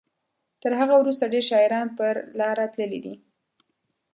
تر هغه وروسته ډیر شاعران پر لاره تللي دي.